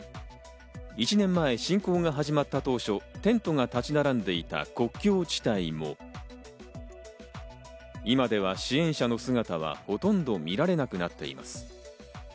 １年前、侵攻が始まった当初、テントが立ち並んでいた国境地帯も、今では支援者の姿はほとんど見られなくなっています。